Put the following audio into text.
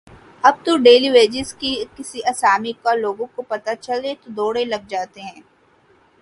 اب تو daily wages کی کسی آسامی کا لوگوں کو پتہ چلے تو دوڑیں لگ جاتی ہیں۔